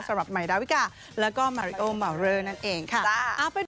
สำหรับไหมดาวิกาแล้วก็มาริโอเหมือนนั่นเองค่ะจ้ะ